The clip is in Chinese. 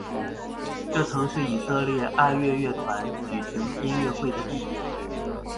这曾是以色列爱乐乐团举行音乐会的地点。